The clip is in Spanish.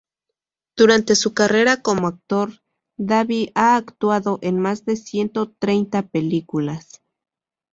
Durante su carrera como actor, Davi ha actuado en más de ciento treinta películas.